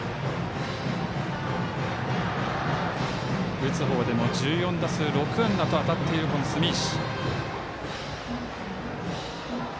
打つほうでも１４打数６安打と当たっている住石。